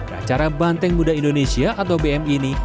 ke acara banteng muda indonesia atau bmi ini